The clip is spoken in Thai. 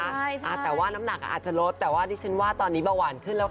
อาจจะว่าน้ำหนักอาจจะรดเเปล่าว่าเดะฉันว่าตอนนี้บางวันขึ้นแล้วค่ะ